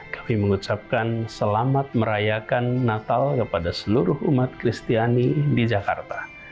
kami mengucapkan selamat merayakan natal kepada seluruh umat kristiani di jakarta